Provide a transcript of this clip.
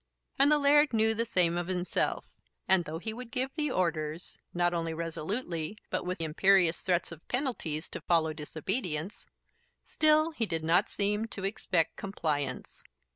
And the laird knew the same of himself, and, though he would give the orders not only resolutely, but with imperious threats of penalties to follow disobedience, still he did not seem to expect compliance.